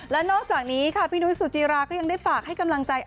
และนอกจากนี้ค่ะพี่นุ้ยสุจิราก็ยังได้ฝากให้กำลังใจ